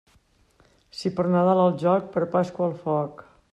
Si per Nadal al joc, per Pasqua al foc.